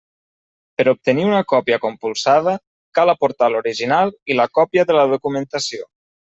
Per obtenir una còpia compulsada, cal aportar l'original i la còpia de la documentació.